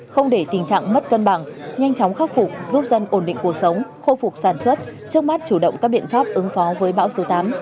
không để tình trạng mất cân bằng nhanh chóng khắc phục giúp dân ổn định cuộc sống khôi phục sản xuất trước mắt chủ động các biện pháp ứng phó với bão số tám